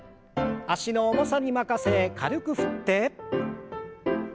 脚の重さに任せ軽く振って。